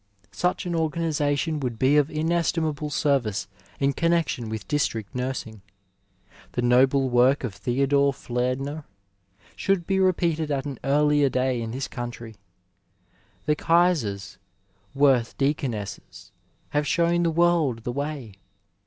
Such an organization would be of inestimable service in connexion with District Nursing. The noble work of Theodore Fliedner should be rq)eated at an early day in this country. The Eaisers werth Deaconesses have shown the world the way.